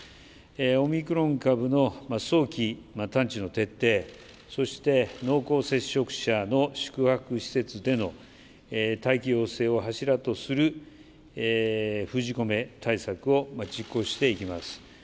オミクロン株の早期探知の徹底、そして濃厚接触者の宿泊施設での待機要請を柱とする、封じ込め対策を実行していきます。